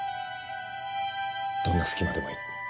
どんな隙間でもいい。